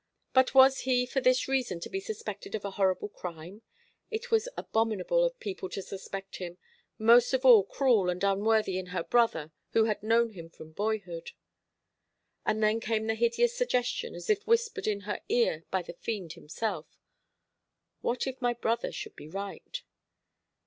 But was he for this reason to be suspected of a horrible crime? It was abominable of people to suspect him most of all cruel and unworthy in her brother, who had known him from boyhood. And then came the hideous suggestion, as if whispered in her ear by the fiend himself, "What if my brother should be right?"